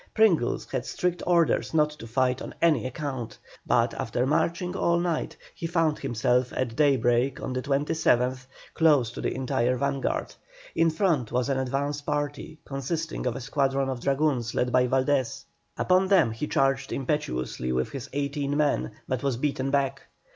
Pringles had strict orders not to fight on any account, but, after marching all night, he found himself at daybreak on the 27th close to the entire vanguard. In front was an advance party consisting of a squadron of dragoons led by Valdés. Upon them he charged impetuously with his eighteen men, but was beaten back.